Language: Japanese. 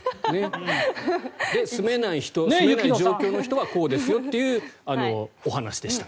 住めない状況の人はこうですよというお話でした。